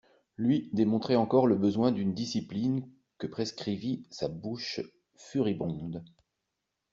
Lui démontrait encore le besoin d'une discipline que prescrivit sa bouche furibonde.